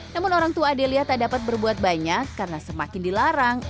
namun orang tua adelia tak dapat berbuat banyak karena semakin dilarang